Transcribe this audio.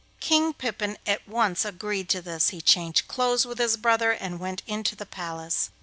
King Pippin at once agreed to this. He changed clothes with his brother, and went into the palace.